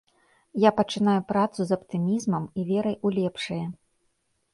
Я пачынаю працу з аптымізмам і верай у лепшае.